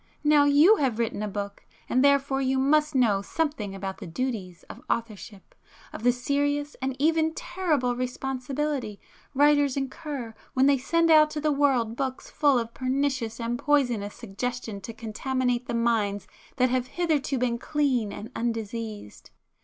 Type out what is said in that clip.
Now you have written a book, and therefore you must know something about the duties of authorship,—of the serious and even terrible responsibility writers incur when they send out to the world books full of pernicious and poisonous suggestion to contaminate the minds that have hitherto been clean and undiseased.